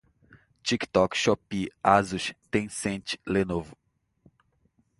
tiktok, shopee, asus, tencent, lenovo